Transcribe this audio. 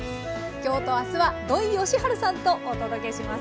今日とあすは土井善晴さんとお届けします。